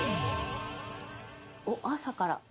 「おっ朝から」